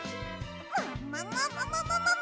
ももももももももも！